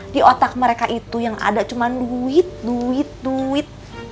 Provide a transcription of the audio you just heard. di otak mereka itu yang ada cuma duit duit